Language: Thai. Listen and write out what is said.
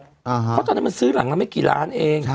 เพราะตอนนั้นมันซื้อหลังละไม่กี่ล้านเอง